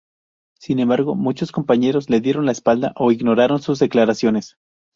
Sin embargo muchos compañeros le dieron la espalda o ignoraron sus declaraciones.